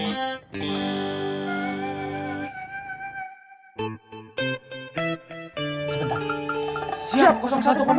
sampai jumpa di video selanjutnya